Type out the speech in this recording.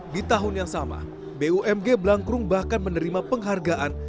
di tahun yang sama bumg blangkrung bahkan menerima penghargaan